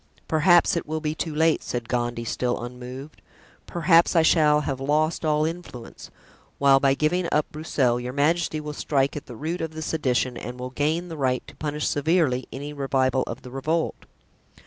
"Perhaps it will be too late," said Gondy, still unmoved; "perhaps I shall have lost all influence; while by giving up Broussel your majesty will strike at the root of the sedition and will gain the right to punish severely any revival of the revolt."